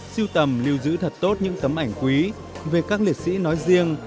siêu tầm lưu giữ thật tốt những tấm ảnh quý về các liệt sĩ nói riêng